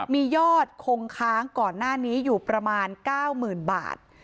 มียอดคงค้างก่อนหน้านี้อยู่ประมาณ๙๐๐๐บาท